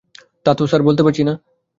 তা তো স্যার বলতে পারছি না।